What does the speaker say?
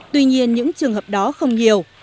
tuy nhiên những trường hợp đó không nhiều